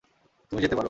তুমি যেতে পারো!